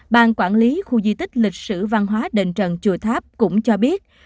ban quản lý khu di tích lịch sử văn hóa đền trần chùa tháp cũng cho biết